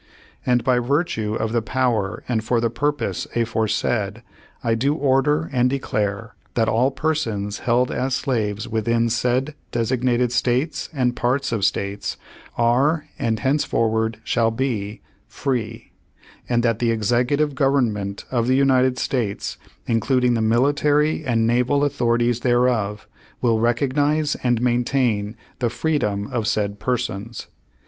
"And, by virtue of the power and for the purpose afore^ said, I do order and declare that all persons held as slaves within said designated States and parts of States are and henceforward shall be free; and that the Executive Gov ernment of the United States, including the military and naval authorities thereof, will recognize and maintain the freedom of said persons.